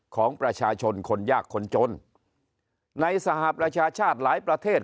ของประชาชนคนยากคนจนในสหประชาชาติหลายประเทศ